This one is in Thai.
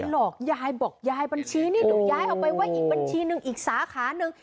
หลอกยายบอกยายบัญชีนี่หนูย้ายเอาไปไว้อีกบัญชีหนึ่งอีกสาขาหนึ่ง